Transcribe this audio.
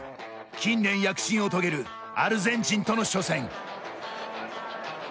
近年、躍進を遂げるアルゼンチンとの初戦。